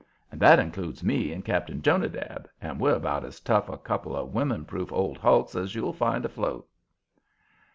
And that includes me and Cap'n Jonadab, and we're about as tough a couple of women proof old hulks as you'll find afloat.